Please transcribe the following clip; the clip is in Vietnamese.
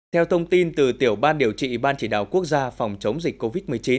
theo thông tin từ tiểu ban điều trị ban chỉ đạo quốc gia phòng chống dịch covid một mươi chín